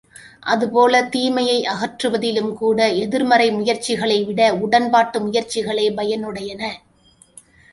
அதுபோலத் தீமையை அகற்றுவதிலும் கூட எதிர்மறை முயற்சிகளை விட உடன்பாட்டு முயற்சிகளே பயனுடையன.